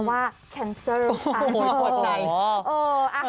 ว่าแคนเซอร์คอนเฟิร์ม